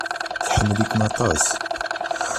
Tḥemmel-ikem aṭas.